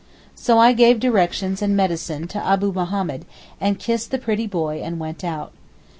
So I gave directions and medicine to Abu Mahommed, and kissed the pretty boy and went out.